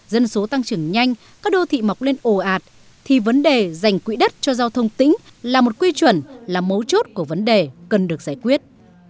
dân số tăng trưởng nhanh các đô thị mọc lên ồ ạt thì vấn đề dành quỹ đất cho giao thông tỉnh là một quy chuẩn là mấu chốt của vấn đề cần được giải quyết